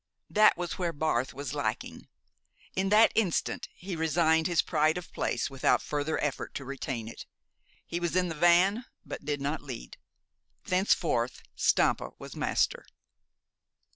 That was where Barth was lacking. In that instant he resigned his pride of place without further effort to retain it. He was in the van, but did not lead. Thenceforth Stampa was master.